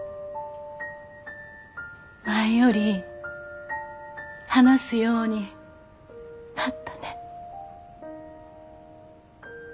前より話すようになったね。